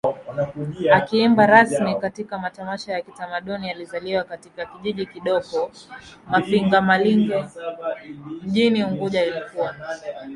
akiimba rasmi katika matamasha ya kitamadauni Alizaliwa katika kijiji kidoko Mfagimalingo mjini Unguja alikuwa